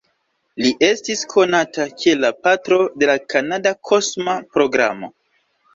Li estis konata kiel la "Patro de la Kanada Kosma Programo".